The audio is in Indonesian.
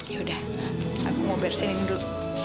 yaudah aku mau bersihin dulu